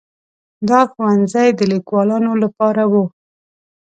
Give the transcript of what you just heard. دا ښوونځي د لیکوالانو لپاره وو.